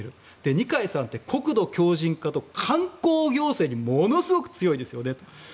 二階さんって国土強じん化と観光行政にものすごく強いですよねと。